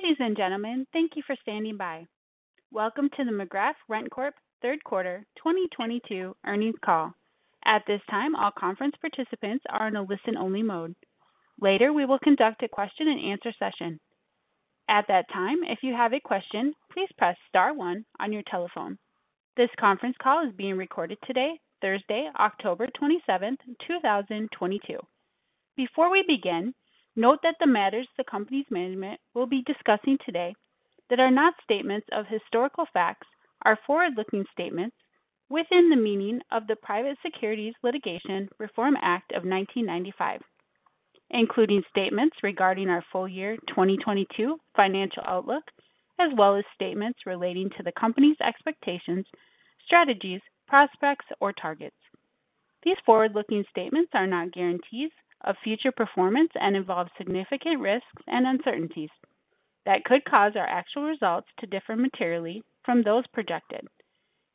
Ladies and gentlemen, thank you for standing by. Welcome to the McGrath RentCorp third quarter 2022 earnings call. At this time, all conference participants are in a listen-only mode. Later, we will conduct a question-and-answer session. At that time, if you have a question, please press star one on your telephone. This conference call is being recorded today, Thursday, October 27th, 2022. Before we begin, note that the matters the company's management will be discussing today that are not statements of historical facts are forward-looking statements within the meaning of the Private Securities Litigation Reform Act of 1995, including statements regarding our full year 2022 financial outlook, as well as statements relating to the company's expectations, strategies, prospects, or targets. These forward-looking statements are not guarantees of future performance and involve significant risks and uncertainties that could cause our actual results to differ materially from those projected.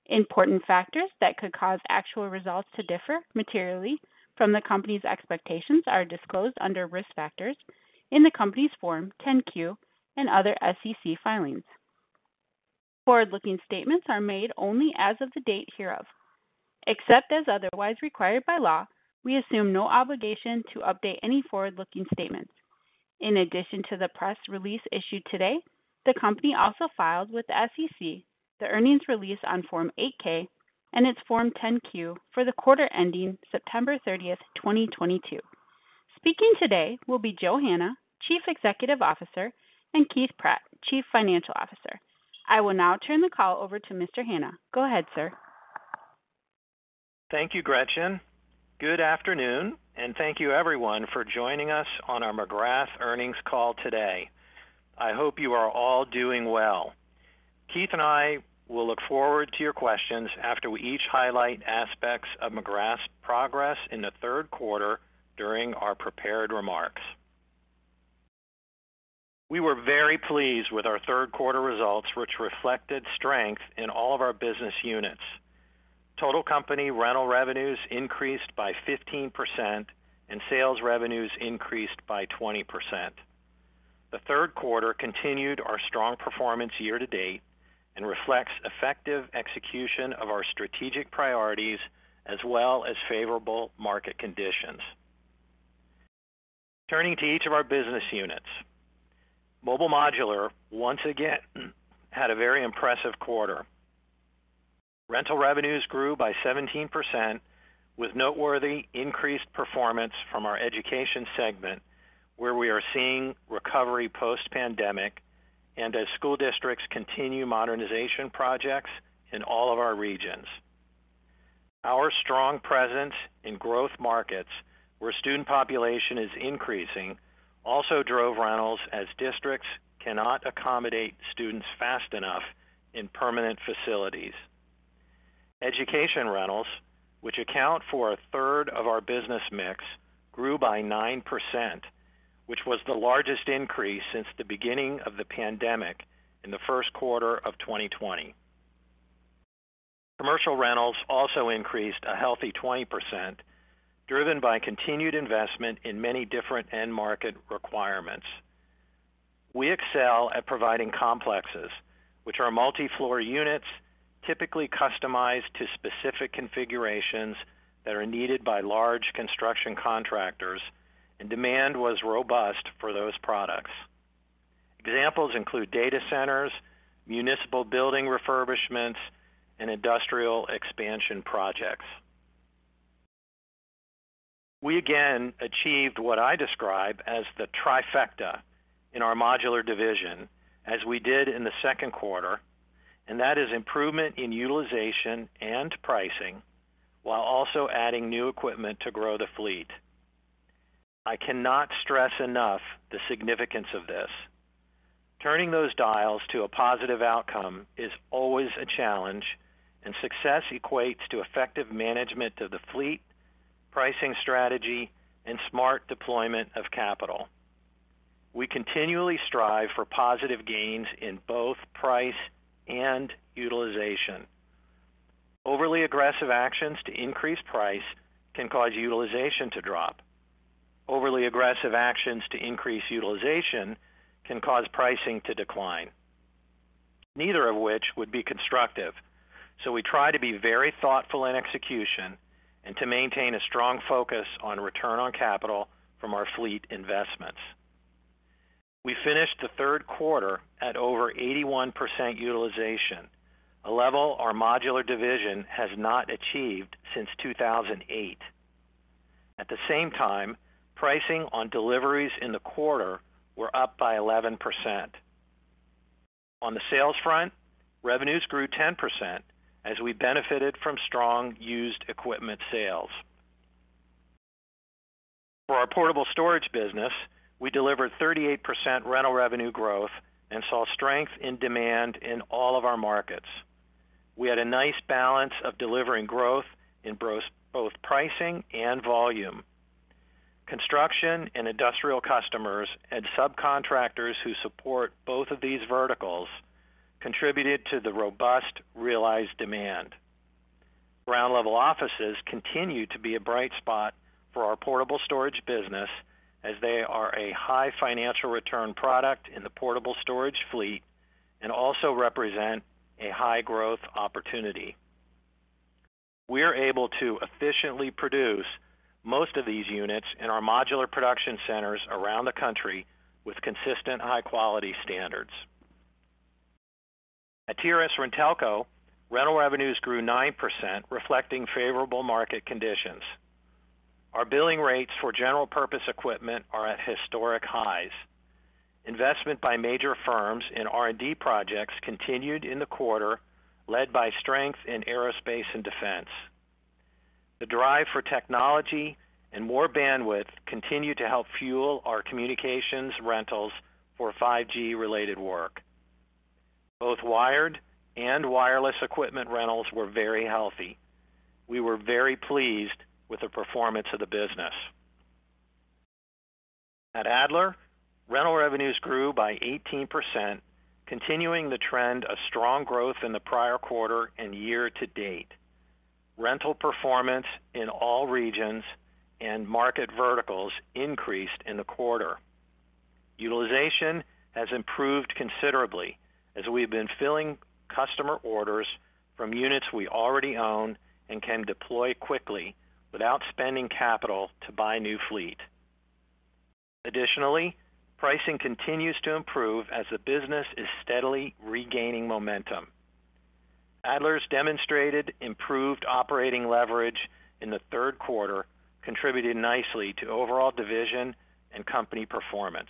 Important factors that could cause actual results to differ materially from the company's expectations are disclosed under Risk Factors in the company's Form 10-Q and other SEC filings. Forward-looking statements are made only as of the date hereof. Except as otherwise required by law, we assume no obligation to update any forward-looking statements. In addition to the press release issued today, the company also filed with the SEC the earnings release on Form 8-K and its Form 10-Q for the quarter ending September 30th, 2022. Speaking today will be Joe Hanna, Chief Executive Officer, and Keith Pratt, Chief Financial Officer. I will now turn the call over to Mr. Hanna. Go ahead, sir. Thank you, Gretchen. Good afternoon, and thank you everyone for joining us on our McGrath earnings call today. I hope you are all doing well. Keith and I will look forward to your questions after we each highlight aspects of McGrath's progress in the third quarter during our prepared remarks. We were very pleased with our third quarter results, which reflected strength in all of our business units. Total company rental revenues increased by 15%, and sales revenues increased by 20%. The third quarter continued our strong performance year-to-date and reflects effective execution of our strategic priorities as well as favorable market conditions. Turning to each of our business units. Mobile Modular once again had a very impressive quarter. Rental revenues grew by 17%, with noteworthy increased performance from our education segment, where we are seeing recovery post-pandemic, and as school districts continue modernization projects in all of our regions. Our strong presence in growth markets where student population is increasing also drove rentals as districts cannot accommodate students fast enough in permanent facilities. Education rentals, which account for a third of our business mix, grew by 9%, which was the largest increase since the beginning of the pandemic in the first quarter of 2020. Commercial rentals also increased a healthy 20%, driven by continued investment in many different end market requirements. We excel at providing complexes, which are multi-floor units, typically customized to specific configurations that are needed by large construction contractors, and demand was robust for those products. Examples include data centers, municipal building refurbishments, and industrial expansion projects. We again achieved what I describe as the trifecta in our modular division, as we did in the second quarter, and that is improvement in utilization and pricing while also adding new equipment to grow the fleet. I cannot stress enough the significance of this. Turning those dials to a positive outcome is always a challenge, and success equates to effective management of the fleet, pricing strategy, and smart deployment of capital. We continually strive for positive gains in both price and utilization. Overly aggressive actions to increase price can cause utilization to drop. Overly aggressive actions to increase utilization can cause pricing to decline, neither of which would be constructive. We try to be very thoughtful in execution and to maintain a strong focus on return on capital from our fleet investments. We finished the third quarter at over 81% utilization, a level our modular division has not achieved since 2008. At the same time, pricing on deliveries in the quarter were up by 11%. On the sales front, revenues grew 10% as we benefited from strong used equipment sales. For our portable storage business, we delivered 38% rental revenue growth and saw strength in demand in all of our markets. We had a nice balance of delivering growth in both pricing and volume. Construction and industrial customers and subcontractors who support both of these verticals contributed to the robust realized demand. Ground level offices continue to be a bright spot for our portable storage business as they are a high financial return product in the portable storage fleet and also represent a high growth opportunity. We are able to efficiently produce most of these units in our modular production centers around the country with consistent high-quality standards. At TRS-RenTelco, rental revenues grew 9%, reflecting favorable market conditions. Our billing rates for general purpose equipment are at historic highs. Investment by major firms in R&D projects continued in the quarter, led by strength in aerospace and defense. The drive for technology and more bandwidth continue to help fuel our communications rentals for 5G-related work. Both wired and wireless equipment rentals were very healthy. We were very pleased with the performance of the business. At Adler, rental revenues grew by 18%, continuing the trend of strong growth in the prior quarter and year to date. Rental performance in all regions and market verticals increased in the quarter. Utilization has improved considerably as we've been filling customer orders from units we already own and can deploy quickly without spending capital to buy new fleet. Additionally, pricing continues to improve as the business is steadily regaining momentum. Adler's demonstrated improved operating leverage in the third quarter contributed nicely to overall division and company performance.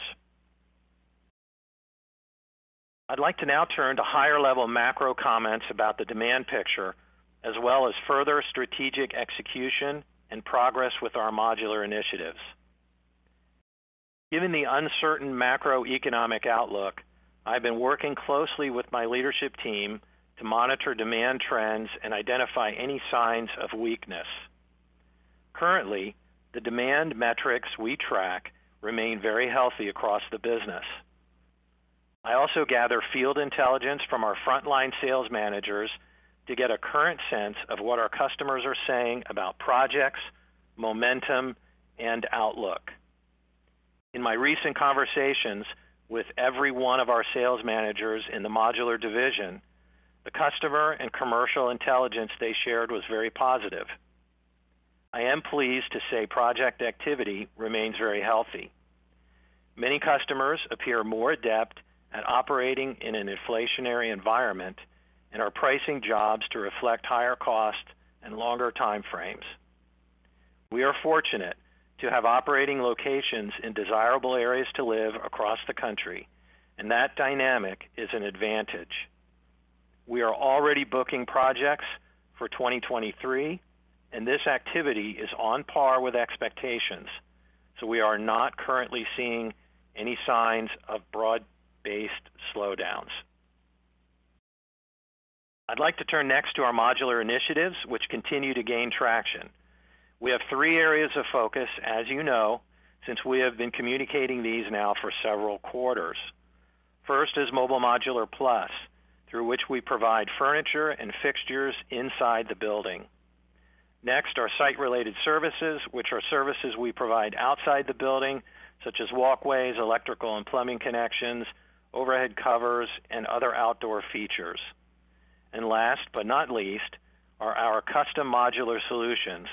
I'd like to now turn to higher-level macro comments about the demand picture as well as further strategic execution and progress with our modular initiatives. Given the uncertain macroeconomic outlook, I've been working closely with my leadership team to monitor demand trends and identify any signs of weakness. Currently, the demand metrics we track remain very healthy across the business. I also gather field intelligence from our frontline sales managers to get a current sense of what our customers are saying about projects, momentum, and outlook. In my recent conversations with every one of our sales managers in the modular division, the customer and commercial intelligence they shared was very positive. I am pleased to say project activity remains very healthy. Many customers appear more adept at operating in an inflationary environment and are pricing jobs to reflect higher cost and longer time frames. We are fortunate to have operating locations in desirable areas to live across the country, and that dynamic is an advantage. We are already booking projects for 2023, and this activity is on par with expectations, so we are not currently seeing any signs of broad-based slowdowns. I'd like to turn next to our modular initiatives, which continue to gain traction. We have three areas of focus, as you know, since we have been communicating these now for several quarters. First is Mobile Modular Plus, through which we provide furniture and fixtures inside the building. Next are site-related services, which are services we provide outside the building, such as walkways, electrical and plumbing connections, overhead covers, and other outdoor features. Last but not least are our custom modular solutions,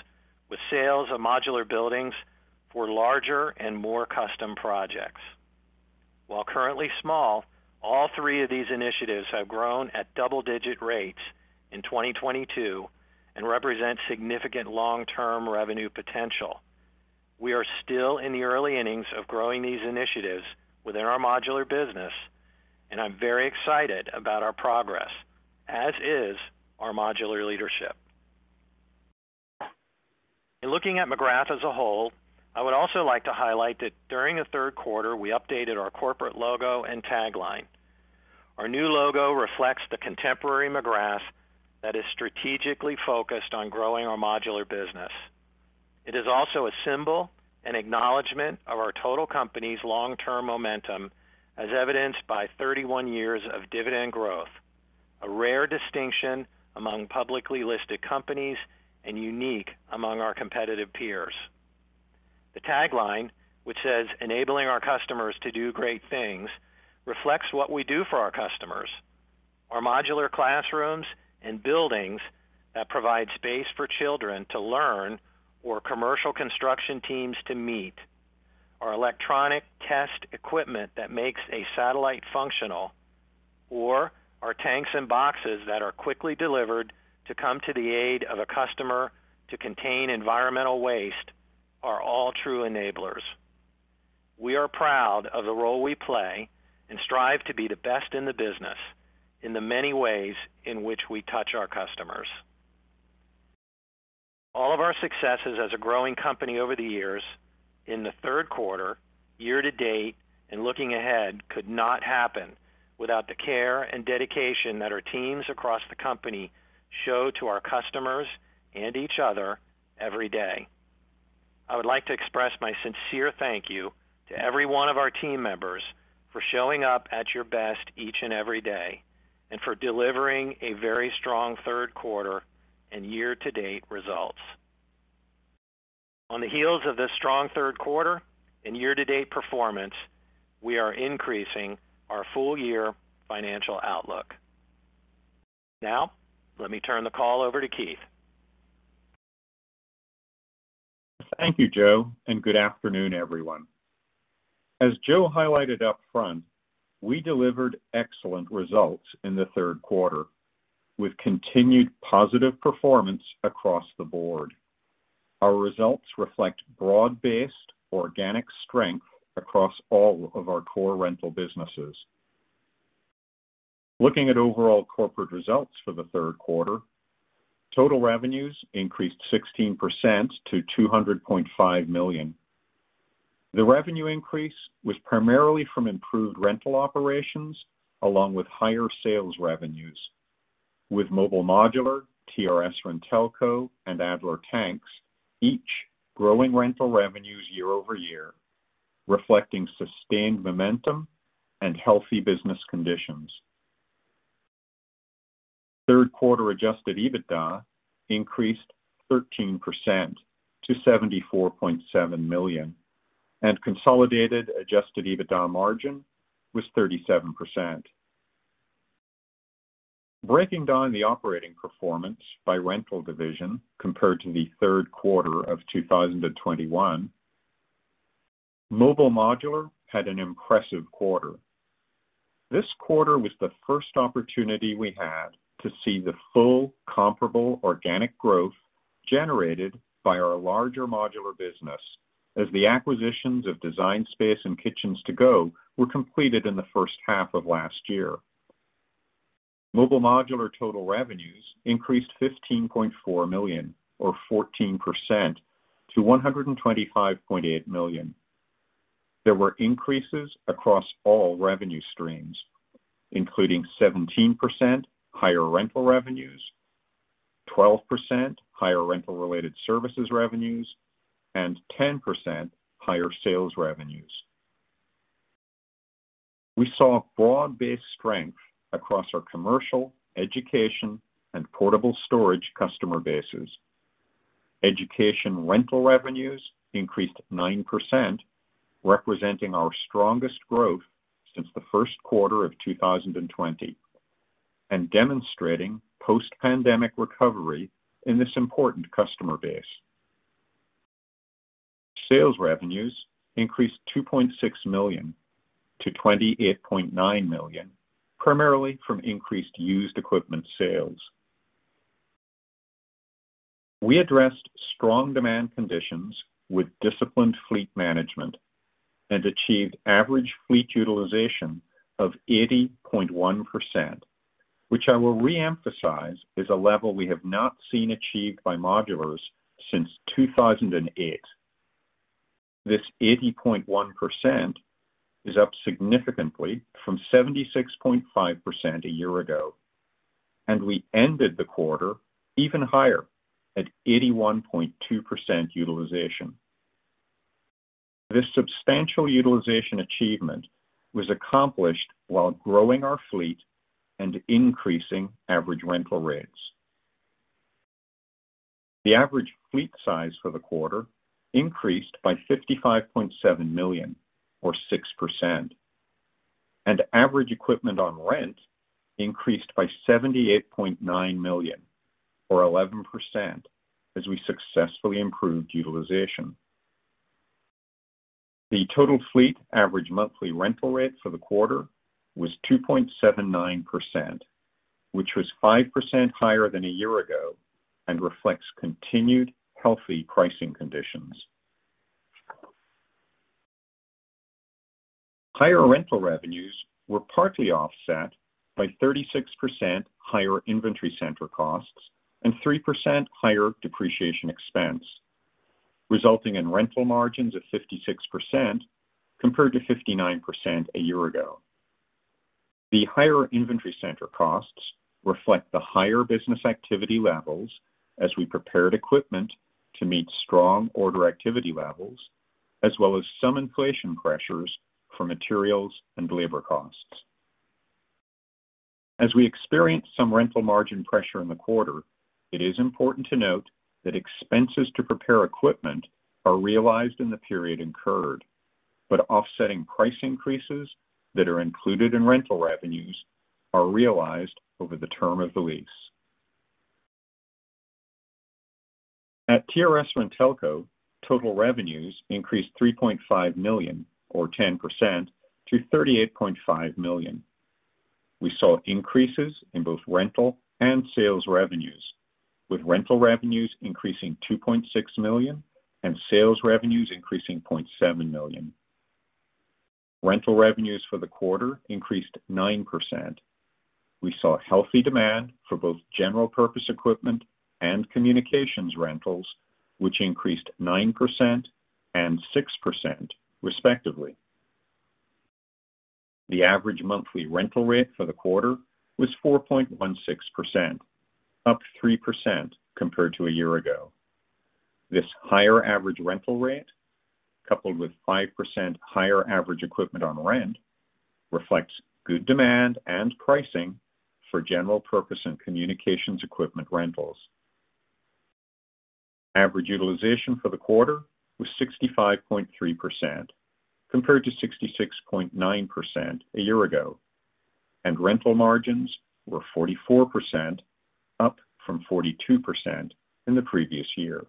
with sales of modular buildings for larger and more custom projects. While currently small, all three of these initiatives have grown at double-digit rates in 2022 and represent significant long-term revenue potential. We are still in the early innings of growing these initiatives within our modular business, and I'm very excited about our progress, as is our modular leadership. In looking at McGrath as a whole, I would also like to highlight that during the third quarter, we updated our corporate logo and tagline. Our new logo reflects the contemporary McGrath that is strategically focused on growing our modular business. It is also a symbol and acknowledgment of our total company's long-term momentum, as evidenced by 31 years of dividend growth, a rare distinction among publicly listed companies and unique among our competitive peers. The tagline, which says, "Enabling our customers to do great things," reflects what we do for our customers. Our modular classrooms and buildings that provide space for children to learn or commercial construction teams to meet, our electronic test equipment that makes a satellite functional, or our tanks and boxes that are quickly delivered to come to the aid of a customer to contain environmental waste are all true enablers. We are proud of the role we play and strive to be the best in the business in the many ways in which we touch our customers. All of our successes as a growing company over the years, in the third quarter, year to date, and looking ahead could not happen without the care and dedication that our teams across the company show to our customers and each other every day. I would like to express my sincere thank you to every one of our team members for showing up at your best each and every day, and for delivering a very strong third quarter and year-to-date results. On the heels of this strong third quarter and year-to-date performance, we are increasing our full year financial outlook. Now let me turn the call over to Keith. Thank you, Joe, and good afternoon, everyone. As Joe highlighted up front, we delivered excellent results in the third quarter, with continued positive performance across the board. Our results reflect broad-based organic strength across all of our core rental businesses. Looking at overall corporate results for the third quarter, total revenues increased 16% to $200.5 million. The revenue increase was primarily from improved rental operations along with higher sales revenues, with Mobile Modular, TRS-RenTelco and Adler Tank Rentals, each growing rental revenues year-over-year, reflecting sustained momentum and healthy business conditions. Third quarter adjusted EBITDA increased 13% to $74.7 million, and consolidated adjusted EBITDA margin was 37%. Breaking down the operating performance by rental division compared to the third quarter of 2021, Mobile Modular had an impressive quarter. This quarter was the first opportunity we had to see the full comparable organic growth generated by our larger modular business as the acquisitions of Design Space and Kitchens To Go were completed in the first half of last year. Mobile Modular total revenues increased $15.4 million or 14% to $125.8 million. There were increases across all revenue streams, including 17% higher rental revenues, 12% higher rental related services revenues, and 10% higher sales revenues. We saw broad-based strength across our commercial, education and portable storage customer bases. Education rental revenues increased 9%, representing our strongest growth since the first quarter of 2020, and demonstrating post-pandemic recovery in this important customer base. Sales revenues increased $2.6 million-$28.9 million, primarily from increased used equipment sales. We addressed strong demand conditions with disciplined fleet management and achieved average fleet utilization of 80.1%, which I will reemphasize is a level we have not seen achieved by modular since 2008. This 80.1% is up significantly from 76.5% a year ago, and we ended the quarter even higher at 81.2% utilization. This substantial utilization achievement was accomplished while growing our fleet and increasing average rental rates. The average fleet size for the quarter increased by $55.7 million or 6%, and average equipment on rent increased by $78.9 million or 11% as we successfully improved utilization. The total fleet average monthly rental rate for the quarter was 2.79%, which was 5% higher than a year ago and reflects continued healthy pricing conditions. Higher rental revenues were partly offset by 36% higher inventory center costs and 3% higher depreciation expense, resulting in rental margins of 56% compared to 59% a year ago. The higher inventory center costs reflect the higher business activity levels as we prepared equipment to meet strong order activity levels, as well as some inflation pressures for materials and labor costs. As we experienced some rental margin pressure in the quarter, it is important to note that expenses to prepare equipment are realized in the period incurred, but offsetting price increases that are included in rental revenues are realized over the term of the lease. At TRS-RenTelco, total revenues increased $3.5 million or 10% to $38.5 million. We saw increases in both rental and sales revenues, with rental revenues increasing $2.6 million and sales revenues increasing $0.7 million. Rental revenues for the quarter increased 9%. We saw healthy demand for both general purpose equipment and communications rentals, which increased 9% and 6%, respectively. The average monthly rental rate for the quarter was 4.16%, up 3% compared to a year ago. This higher average rental rate, coupled with 5% higher average equipment on rent, reflects good demand and pricing for general purpose and communications equipment rentals. Average utilization for the quarter was 65.3% compared to 66.9% a year ago, and rental margins were 44%, up from 42% in the previous year.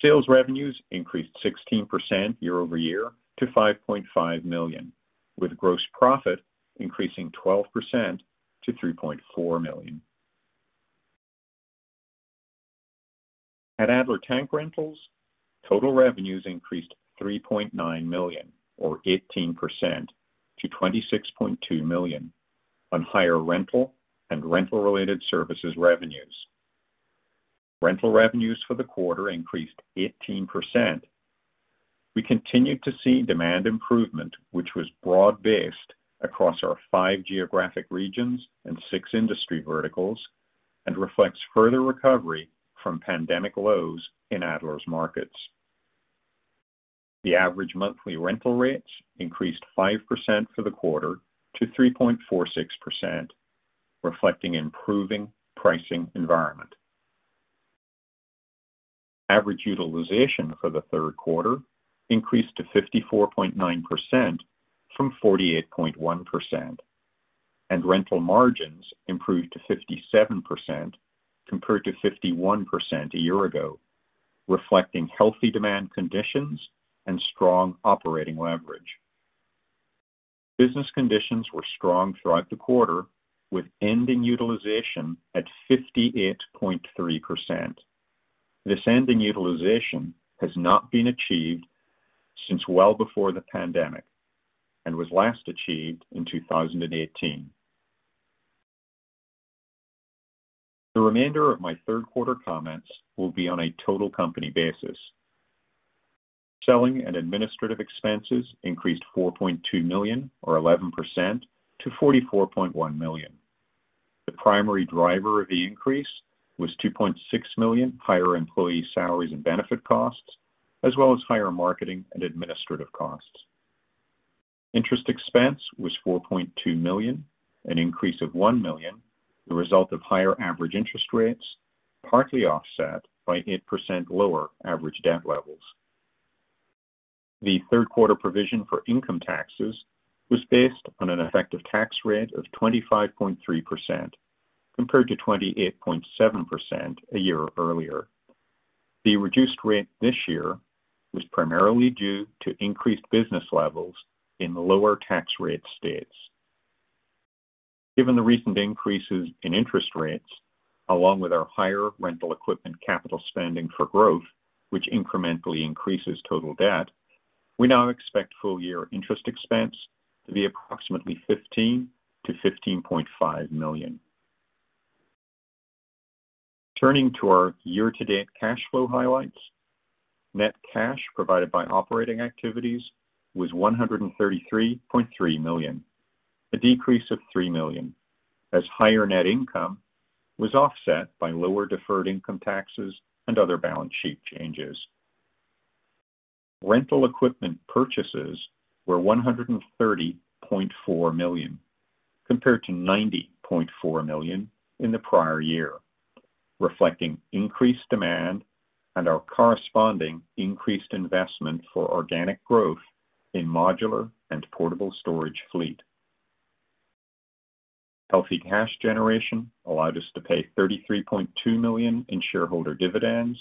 Sales revenues increased 16% year-over-year to $5.5 million, with gross profit increasing 12% to $3.4 million. At Adler Tank Rentals, total revenues increased $3.9 million, or 18% to $26.2 million on higher rental and rental related services revenues. Rental revenues for the quarter increased 18%. We continued to see demand improvement which was broad-based across our five geographic regions and six industry verticals and reflects further recovery from pandemic lows in Adler's markets. The average monthly rental rates increased 5% for the quarter to 3.46%, reflecting improving pricing environment. Average utilization for the third quarter increased to 54.9% from 48.1%, and rental margins improved to 57% compared to 51% a year ago, reflecting healthy demand conditions and strong operating leverage. Business conditions were strong throughout the quarter, with ending utilization at 58.3%. This ending utilization has not been achieved since well before the pandemic and was last achieved in 2018. The remainder of my third quarter comments will be on a total company basis. Selling and administrative expenses increased $4.2 million or 11% to $44.1 million. The primary driver of the increase was $2.6 million higher employee salaries and benefit costs, as well as higher marketing and administrative costs. Interest expense was $4.2 million, an increase of $1 million, the result of higher average interest rates, partly offset by 8% lower average debt levels. The third quarter provision for income taxes was based on an effective tax rate of 25.3% compared to 28.7% a year earlier. The reduced rate this year was primarily due to increased business levels in lower tax rate states. Given the recent increases in interest rates, along with our higher rental equipment capital spending for growth, which incrementally increases total debt, we now expect full year interest expense to be approximately $15 million-$15.5 million. Turning to our year-to-date cash flow highlights. Net cash provided by operating activities was $133.3 million, a decrease of $3 million as higher net income was offset by lower deferred income taxes and other balance sheet changes. Rental equipment purchases were $130.4 million, compared to $90.4 million in the prior year, reflecting increased demand and our corresponding increased investment for organic growth in modular and portable storage fleet. Healthy cash generation allowed us to pay $33.2 million in shareholder dividends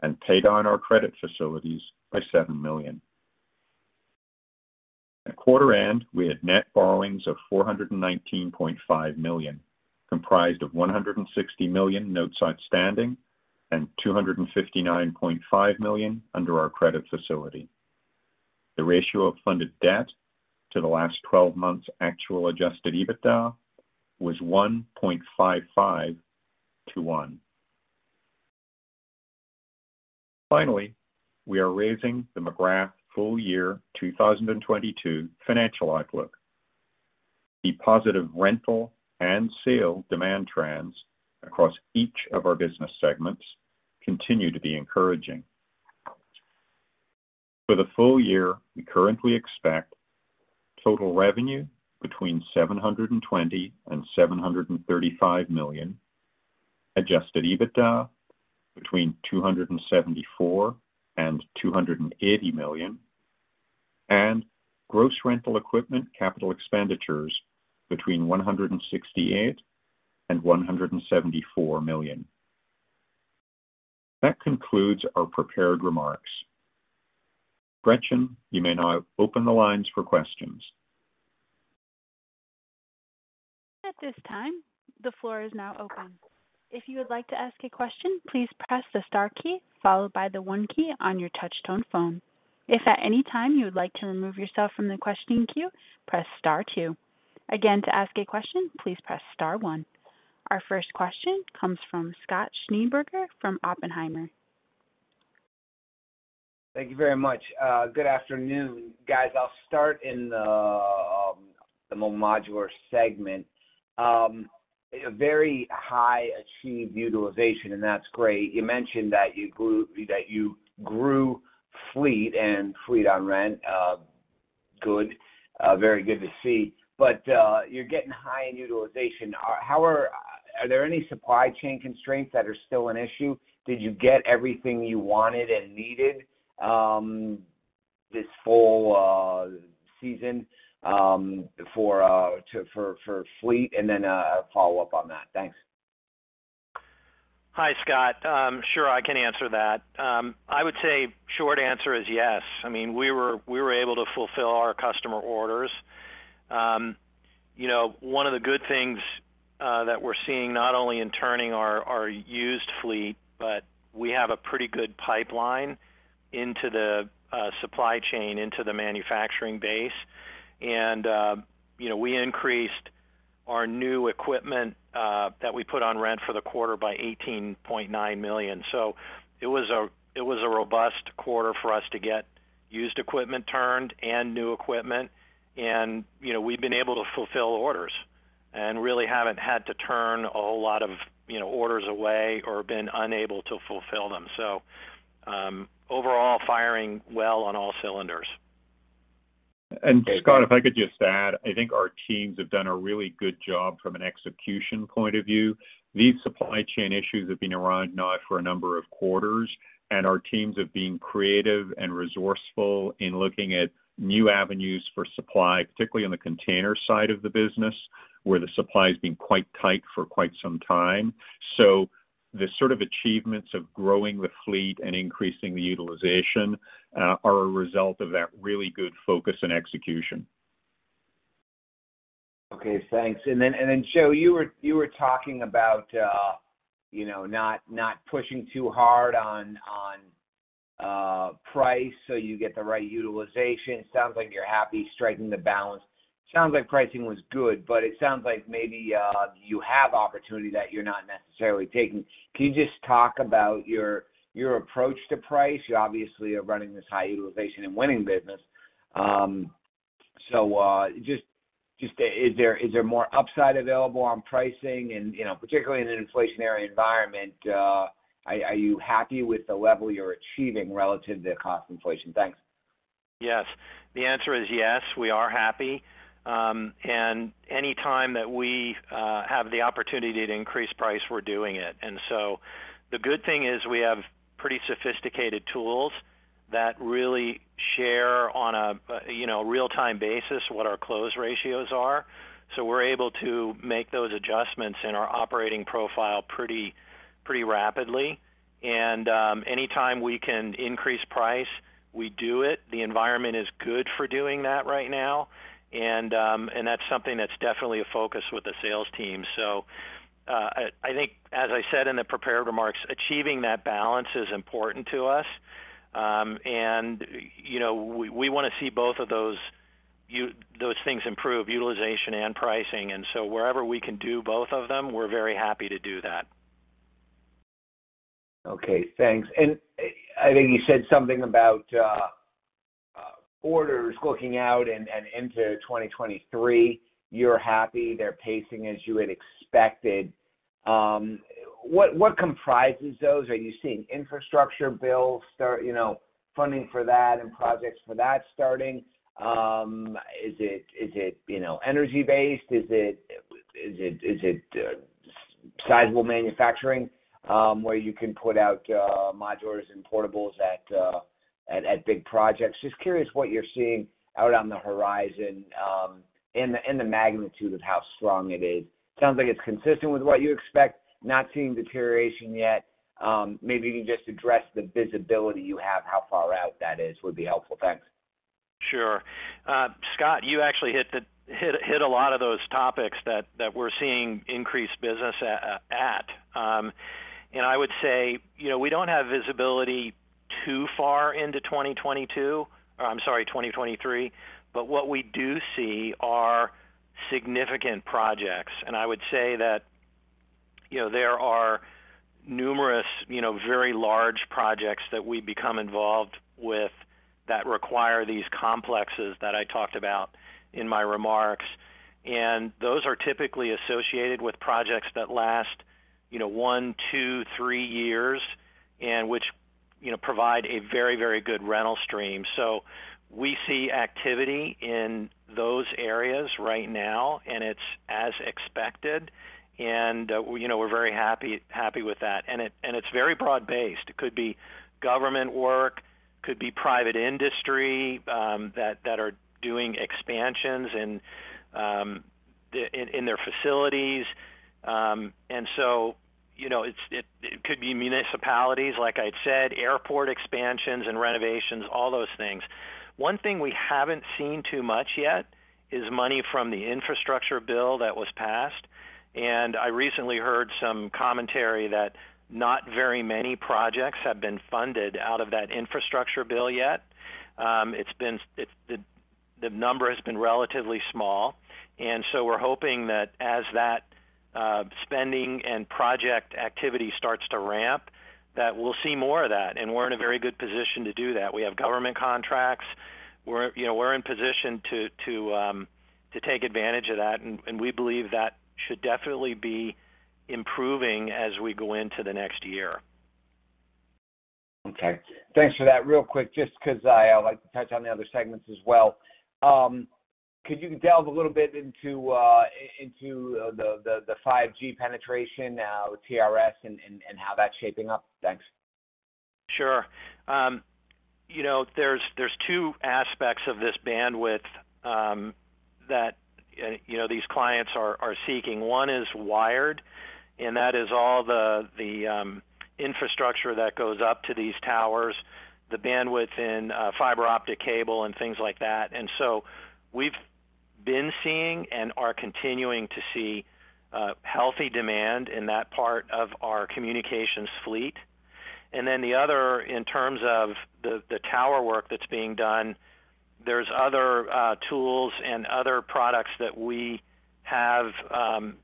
and paid on our credit facilities by $7 million. At quarter end, we had net borrowings of $419.5 million, comprised of $160 million notes outstanding and $259.5 million under our credit facility. The ratio of funded debt to the last twelve months actual Adjusted EBITDA was 1.55 to one. Finally, we are raising the McGrath full year 2022 financial outlook. The positive rental and sale demand trends across each of our business segments continue to be encouraging. For the full year, we currently expect total revenue between $720 million and $735 million, Adjusted EBITDA between $274 million and $280 million, and gross rental equipment capital expenditures between $168 million and $174 million. That concludes our prepared remarks. Gretchen, you may now open the lines for questions. At this time, the floor is now open. If you would like to ask a question, please press the star key followed by the one key on your touch-tone phone. If at any time you would like to remove yourself from the questioning queue, press star two. Again, to ask a question, please press star one. Our first question comes from Scott Schneeberger from Oppenheimer. Thank you very much. Good afternoon, guys. I'll start in the Modular segment. A very high achieved utilization, and that's great. You mentioned that you grew fleet and fleet on rent, good, very good to see. You're getting high in utilization. Are there any supply chain constraints that are still an issue? Did you get everything you wanted and needed, this full season, for fleet? Follow up on that. Thanks. Hi, Scott. Sure, I can answer that. I would say short answer is yes. I mean, we were able to fulfill our customer orders. You know, one of the good things that we're seeing not only in turning our used fleet, but we have a pretty good pipeline into the supply chain, into the manufacturing base. You know, we increased our new equipment that we put on rent for the quarter by $18.9 million. It was a robust quarter for us to get used equipment turned and new equipment and, you know, we've been able to fulfill orders. Really haven't had to turn a whole lot of, you know, orders away or been unable to fulfill them. Overall, firing well on all cylinders. Scott, if I could just add, I think our teams have done a really good job from an execution point of view. These supply chain issues have been around now for a number of quarters, and our teams have been creative and resourceful in looking at new avenues for supply, particularly on the container side of the business, where the supply has been quite tight for quite some time. The sort of achievements of growing the fleet and increasing the utilization are a result of that really good focus and execution. Okay, thanks. Joe, you were talking about you know not pushing too hard on price so you get the right utilization. Sounds like you're happy striking the balance. Sounds like pricing was good, but it sounds like maybe you have opportunity that you're not necessarily taking. Can you just talk about your approach to price? You obviously are running this high utilization and winning business. Is there more upside available on pricing and you know particularly in an inflationary environment are you happy with the level you're achieving relative to cost inflation? Thanks. Yes. The answer is yes, we are happy. Any time that we have the opportunity to increase price, we're doing it. The good thing is we have pretty sophisticated tools that really share on a, you know, real-time basis what our close ratios are. We're able to make those adjustments in our operating profile pretty rapidly. Anytime we can increase price, we do it. The environment is good for doing that right now. That's something that's definitely a focus with the sales team. I think as I said in the prepared remarks, achieving that balance is important to us. We wanna see both of those things improve, utilization and pricing. Wherever we can do both of them, we're very happy to do that. Okay, thanks. I think you said something about orders looking out and into 2023. You're happy they're pacing as you had expected. What comprises those? Are you seeing infrastructure bills start, you know, funding for that and projects for that starting? Is it sizable manufacturing, where you can put out modules and portables at big projects? Just curious what you're seeing out on the horizon and the magnitude of how strong it is. Sounds like it's consistent with what you expect, not seeing deterioration yet. Maybe you can just address the visibility you have, how far out that is. Would be helpful. Thanks. Sure. Scott, you actually hit a lot of those topics that we're seeing increased business at. I would say, you know, we don't have visibility too far into 2022, or I'm sorry, 2023, but what we do see are significant projects. I would say that, you know, there are numerous, you know, very large projects that we become involved with that require these complexes that I talked about in my remarks. Those are typically associated with projects that last, you know, one, two, three years and which, you know, provide a very good rental stream. We see activity in those areas right now, and it's as expected. You know, we're very happy with that. It's very broad-based. It could be government work, could be private industry, that are doing expansions in their facilities. You know, it could be municipalities, like I said, airport expansions and renovations, all those things. One thing we haven't seen too much yet is money from the infrastructure bill that was passed. I recently heard some commentary that not very many projects have been funded out of that infrastructure bill yet. It's the number has been relatively small, and so we're hoping that as that spending and project activity starts to ramp, that we'll see more of that. We're in a very good position to do that. We have government contracts. You know, we're in position to take advantage of that, and we believe that should definitely be improving as we go into the next year. Okay. Thanks for that. Real quick, just 'cause I like to touch on the other segments as well. Could you delve a little bit into the 5G penetration, TRS and how that's shaping up? Thanks. Sure. You know, there's two aspects of this bandwidth that you know, these clients are seeking. One is wired, and that is all the infrastructure that goes up to these towers, the bandwidth in fiber optic cable and things like that. We've been seeing and are continuing to see healthy demand in that part of our communications fleet. The other, in terms of the tower work that's being done, there's other tools and other products that we have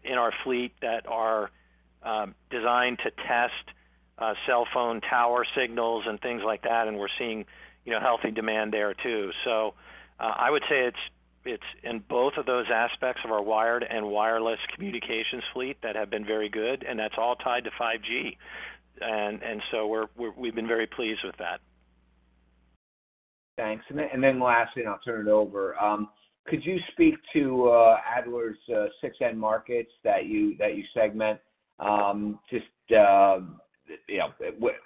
in our fleet that are designed to test cell phone tower signals and things like that, and we're seeing you know, healthy demand there too. I would say it's in both of those aspects of our wired and wireless communications fleet that have been very good, and that's all tied to 5G. We've been very pleased with that. Thanks. Lastly, I'll turn it over. Could you speak to Adler's six end markets that you segment? Just you know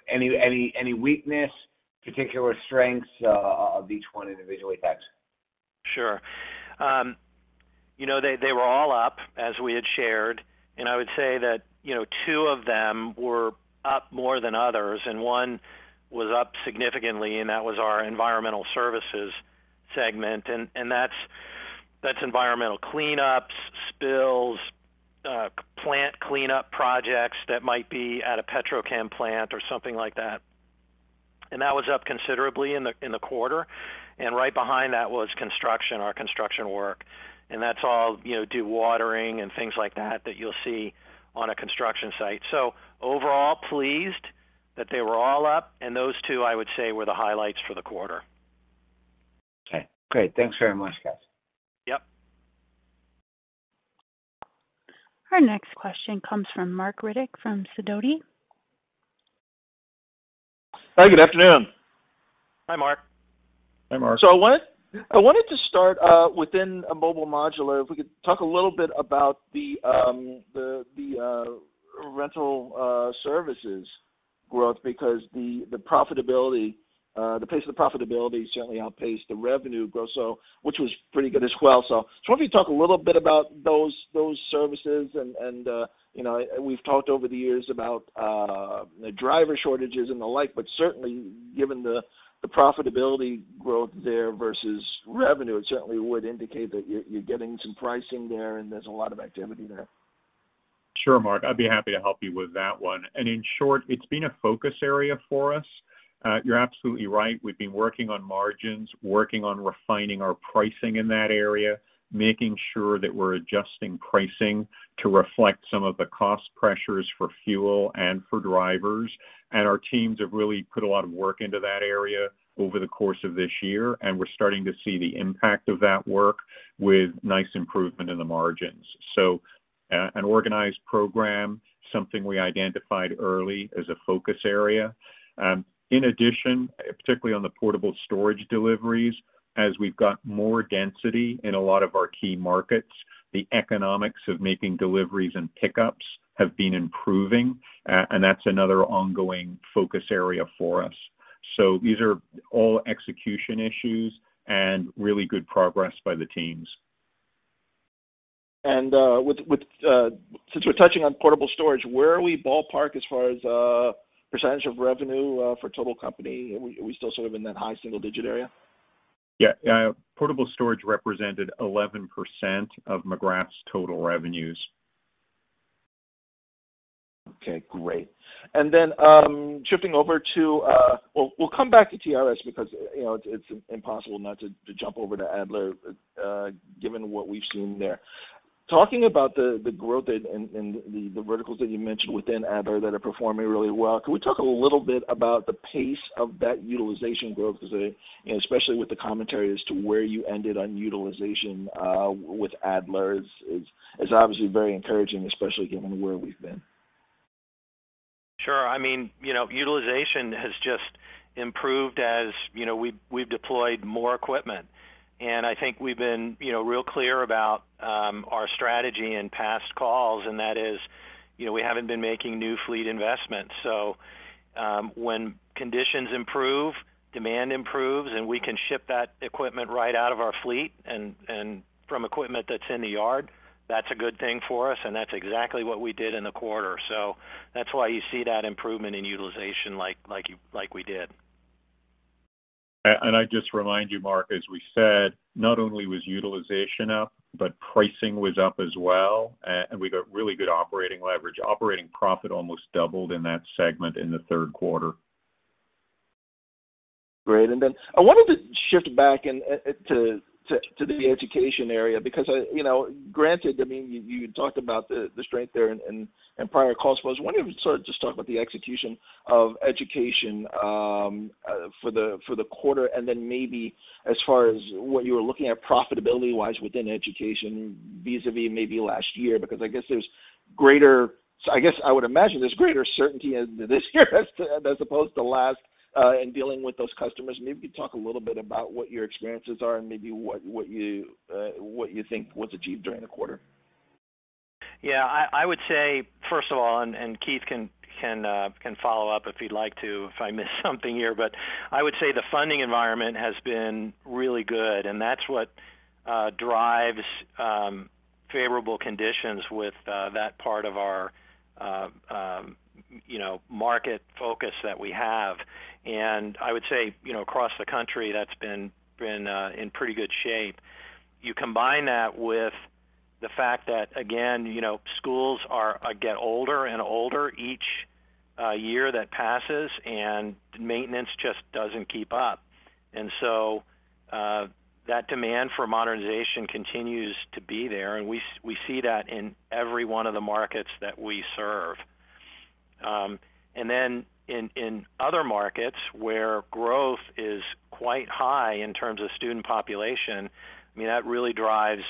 any weakness, particular strengths of each one individually? Thanks. Sure. You know, they were all up, as we had shared, and I would say that, you know, two of them were up more than others, and one was up significantly, and that was our environmental services segment. That's environmental cleanups, spills, plant cleanup projects that might be at a petrochem plant or something like that. That was up considerably in the quarter. Right behind that was construction, our construction work. That's all, you know, dewatering and things like that that you'll see on a construction site. Overall, pleased that they were all up, and those two, I would say, were the highlights for the quarter. Okay, great. Thanks very much, guys. Yep. Our next question comes from Marc Riddick from Sidoti. Hi, good afternoon. Hi, Marc. Hi, Marc. I wanted to start within Mobile Modular, if we could talk a little bit about the rental services growth because the profitability, the pace of the profitability certainly outpaced the revenue growth, which was pretty good as well. Just wonder if you could talk a little bit about those services and, you know, we've talked over the years about the driver shortages and the like, but certainly given the profitability growth there versus revenue, it certainly would indicate that you're getting some pricing there, and there's a lot of activity there. Sure, Marc, I'd be happy to help you with that one. In short, it's been a focus area for us. You're absolutely right. We've been working on margins, working on refining our pricing in that area, making sure that we're adjusting pricing to reflect some of the cost pressures for fuel and for drivers. Our teams have really put a lot of work into that area over the course of this year, and we're starting to see the impact of that work with nice improvement in the margins. An organized program, something we identified early as a focus area. In addition, particularly on the portable storage deliveries, as we've got more density in a lot of our key markets, the economics of making deliveries and pickups have been improving, and that's another ongoing focus area for us. These are all execution issues and really good progress by the teams. With since we're touching on portable storage, where are we ballpark as far as percentage of revenue for total company? Are we still sort of in that high single digit area? Yeah, portable storage represented 11% of McGrath's total revenues. Okay, great. Then, shifting over to. Well, we'll come back to TRS because, you know, it's impossible not to jump over to Adler, given what we've seen there. Talking about the growth and the verticals that you mentioned within Adler that are performing really well, can we talk a little bit about the pace of that utilization growth today, you know, especially with the commentary as to where you ended on utilization with Adler? It's obviously very encouraging, especially given where we've been. Sure. I mean, you know, utilization has just improved as you know, we've deployed more equipment. I think we've been, you know, real clear about our strategy in past calls, and that is, you know, we haven't been making new fleet investments. When conditions improve, demand improves, and we can ship that equipment right out of our fleet and from equipment that's in the yard, that's a good thing for us, and that's exactly what we did in the quarter. That's why you see that improvement in utilization like we did. I'd just remind you, Marc, as we said, not only was utilization up, but pricing was up as well. We got really good operating leverage. Operating profit almost doubled in that segment in the third quarter. Great. I wanted to shift back and to the education area because I, you know, granted, I mean, you talked about the strength there in prior calls, I suppose. I wonder if you can sort of just talk about the execution of education for the quarter and then maybe as far as what you were looking at profitability-wise within education vis-à-vis maybe last year, because I guess I would imagine there's greater certainty in this year as opposed to last in dealing with those customers. Maybe talk a little bit about what your experiences are and maybe what you think was achieved during the quarter. I would say, first of all, Keith can follow up if he'd like to, if I miss something here. But I would say the funding environment has been really good, and that's what drives favorable conditions with that part of our, you know, market focus that we have. I would say, you know, across the country, that's been in pretty good shape. You combine that with the fact that, again, you know, schools are get older and older each year that passes, and maintenance just doesn't keep up. That demand for modernization continues to be there. We see that in every one of the markets that we serve. In other markets where growth is quite high in terms of student population, I mean, that really drives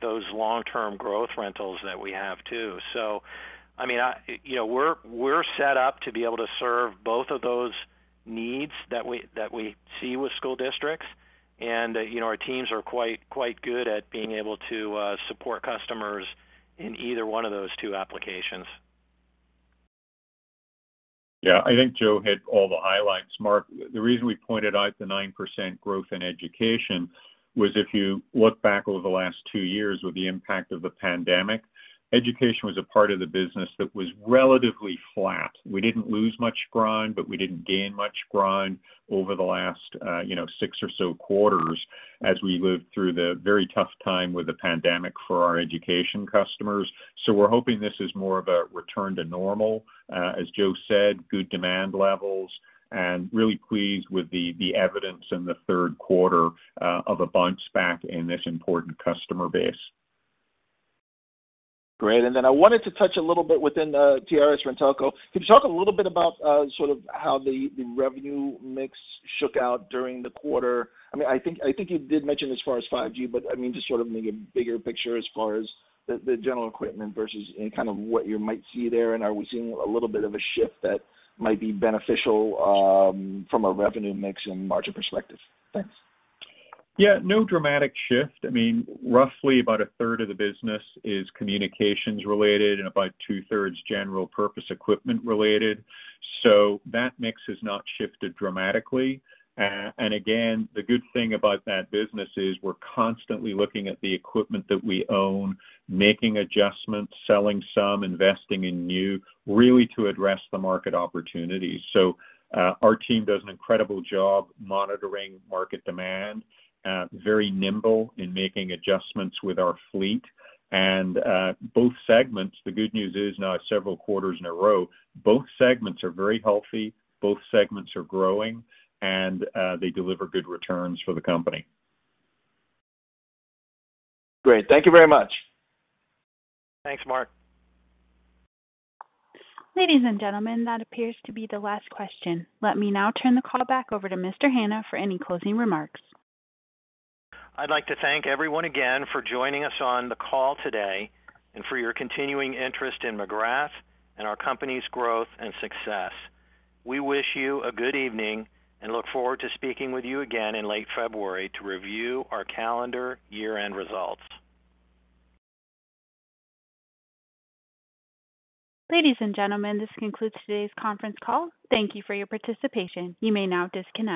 those long-term growth rentals that we have too. You know, we're set up to be able to serve both of those needs that we see with school districts. You know, our teams are quite good at being able to support customers in either one of those two applications. Yeah. I think Joe hit all the highlights, Marc. The reason we pointed out the 9% growth in education was if you look back over the last two years with the impact of the pandemic, education was a part of the business that was relatively flat. We didn't lose much ground, but we didn't gain much ground over the last, you know, six or so quarters as we lived through the very tough time with the pandemic for our education customers. We're hoping this is more of a return to normal. As Joe said, good demand levels, and really pleased with the evidence in the third quarter of a bounce back in this important customer base. Great. I wanted to touch a little bit within the TRS-RenTelco. Can you talk a little bit about, sort of how the revenue mix shook out during the quarter? I mean, I think you did mention as far as 5G, but I mean, just sort of maybe bigger picture as far as the general equipment versus any kind of what you might see there, and are we seeing a little bit of a shift that might be beneficial, from a revenue mix and margin perspective? Thanks. Yeah, no dramatic shift. I mean, roughly about 1/3 of the business is communications related and about 2/3 general purpose equipment related. That mix has not shifted dramatically. And again, the good thing about that business is we're constantly looking at the equipment that we own, making adjustments, selling some, investing in new, really to address the market opportunities. Our team does an incredible job monitoring market demand, very nimble in making adjustments with our fleet. Both segments, the good news is now several quarters in a row, both segments are very healthy, both segments are growing, and they deliver good returns for the company. Great. Thank you very much. Thanks, Marc. Ladies and gentlemen, that appears to be the last question. Let me now turn the call back over to Mr. Hanna for any closing remarks. I'd like to thank everyone again for joining us on the call today and for your continuing interest in McGrath and our company's growth and success. We wish you a good evening and look forward to speaking with you again in late February to review our calendar year-end results. Ladies and gentlemen, this concludes today's conference call. Thank you for your participation. You may now disconnect.